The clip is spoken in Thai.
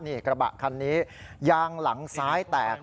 นี่กระบะคันนี้ยางหลังซ้ายแตก